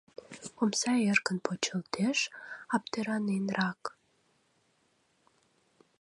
Омса эркын почылтеш, аптыраненрак.